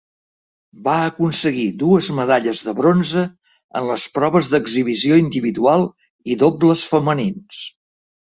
Va aconseguir dues medalles de bronze en les proves d'exhibició individual i dobles femenins.